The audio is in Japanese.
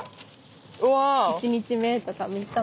１日目とか３日目。